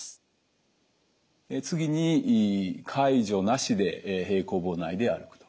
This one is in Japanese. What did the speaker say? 次に介助なしで平行棒内で歩くと。